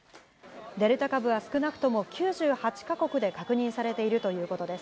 デルタ株は少なくとも９８か国で確認されているということです。